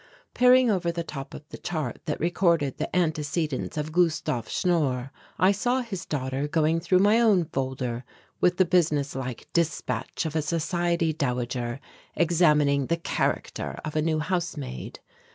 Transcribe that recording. Peering over the top of the chart that recorded the antecedents of Gustave Schnorr, I saw his daughter going through my own folder with the business like dispatch of a society dowager examining the "character" of a new housemaid.